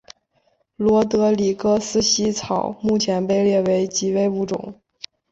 罗德里格斯茜草目前被列为极危物种。